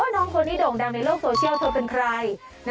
น้องคนที่โด่งดังในโลกโซเชียลเธอเป็นใคร